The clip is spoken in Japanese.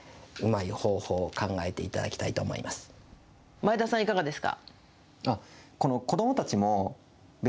前田さん、いかがですか。